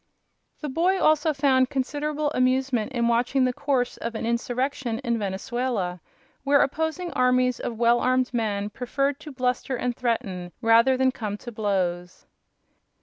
The boy also found considerable amusement in watching the course of an insurrection in Venezuela, where opposing armies of well armed men preferred to bluster and threaten rather than come to blows.